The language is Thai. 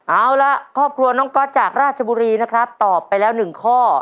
เอาละครอบครัวน้องก๊อตจากราชบุรีนะครับตอบไปแล้ว๑ข้อ